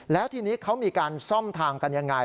แล้วทีนี้เขามีการซ่อมทางกันยังไง